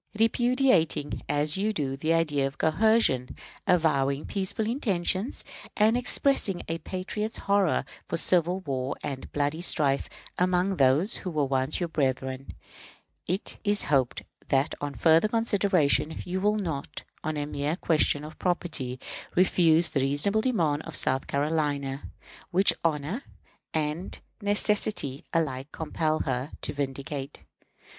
Repudiating, as you do, the idea of coercion, avowing peaceful intentions, and expressing a patriot's horror for civil war and bloody strife among those who once were brethren, it is hoped that on further consideration you will not, on a mere question of property, refuse the reasonable demand of South Carolina, which honor and necessity alike compel her to vindicate.